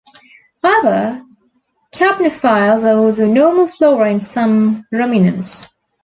However, capnophiles are also normal flora in some ruminants.